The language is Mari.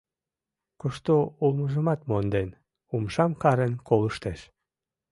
Кушто улмыжымат монден, умшам карен колыштеш.